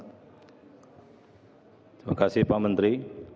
terima kasih pak menteri